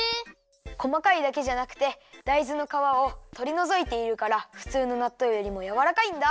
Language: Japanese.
こまかいだけじゃなくてだいずのかわをとりのぞいているからふつうのなっとうよりもやわらかいんだ！